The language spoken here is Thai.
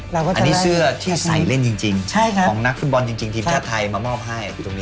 ซึ่งอันนี้เสื้อที่ใส่เล่นจริงของนักฟิกสย์บอลจริงทีมชาติไทยมามอบให้